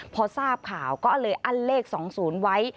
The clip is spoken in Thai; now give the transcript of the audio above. พอทราบข่าวก็เลยอั้นเลข๒๐ไว้